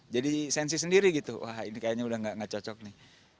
jadi sensi sendiri gitu wah ini kayaknya sudah tidak cocok nih